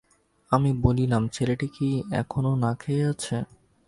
আমি বললাম, ছেলেটি কি এখনো না-খেয়ে আছে?